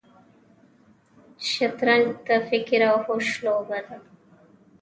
شطرنج د فکر او هوش لوبه ده.